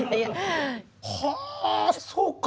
はあそうか。